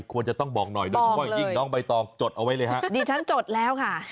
ควรจะต้องบอกหน่อยโดยเฉพาะอย่างยิ่งน้องใบตองจดเอาไว้เลยฮะดิฉันจดแล้วค่ะ